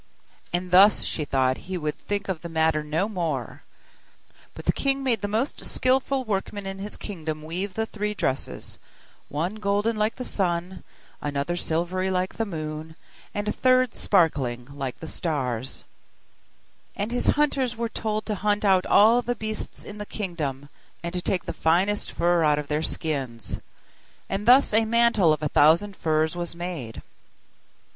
And thus she thought he would think of the matter no more. But the king made the most skilful workmen in his kingdom weave the three dresses: one golden, like the sun; another silvery, like the moon; and a third sparkling, like the stars: and his hunters were told to hunt out all the beasts in his kingdom, and to take the finest fur out of their skins: and thus a mantle of a thousand furs was made.